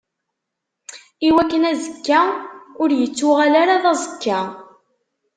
Iwakken azekka ur ittuɣal ara d aẓekka.